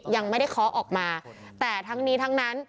ยังไม่ได้เคาะออกมาแต่ทั้งนี้ทั้งนั้น